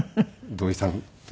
土井さん。